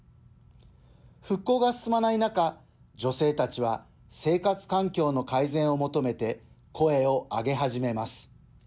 復興が進まない中女性たちは生活環境の改善を求めて声を上げ始めます。